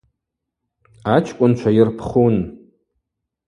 Ачкӏвынчва йырпхун.